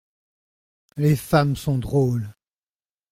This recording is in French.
Les femmes sont drôles !